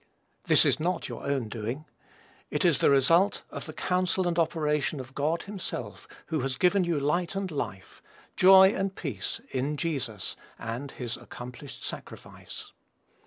This is not your own doing. It is the result of the counsel and operation of God himself, who has given you light and life, joy and peace, in Jesus, and his accomplished sacrifice.